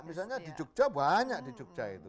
misalnya di jogja banyak di jogja itu